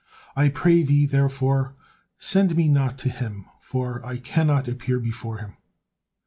I pray Thee, therefore, send me not to him, for I cannot appear before him."